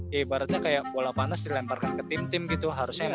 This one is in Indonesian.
ya ibaratnya kayak bola panas dilemparkan ke tim tim gitu harusnya